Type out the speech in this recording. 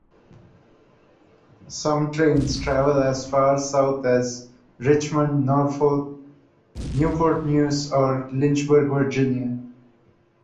Some trains travel as far south as Richmond, Norfolk, Newport News or Lynchburg, Virginia.